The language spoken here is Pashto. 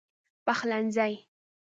پخلنځی